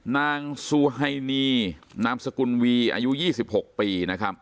นางสุฮัยนีนามสกุลวีอายุ๒๖ปี